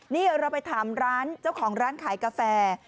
นี่เราไปถามร้านเจ้าของร้านขายกาแฟ